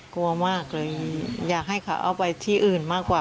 กลัวมากเลยอยากให้เขาเอาไปที่อื่นมากกว่า